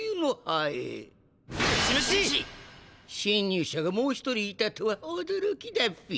侵入者がもう一人いたとはおどろきダッピ。